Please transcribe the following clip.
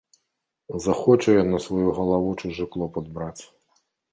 Захоча ён на сваю галаву чужы клопат браць.